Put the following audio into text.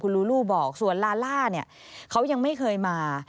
คุณลูลูบอกส่วนลาล่าเขายังไม่เคยมา